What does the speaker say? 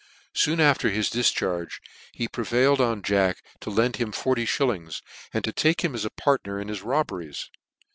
Soon after his difcharge, he prevailed on Jack to lend him forty {hillings, and take him as a partner in his rob beries.